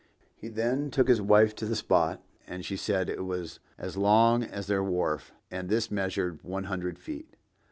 He then took his wife to the spot, and she said it was as long as their wharf, and this measured one hundred feet.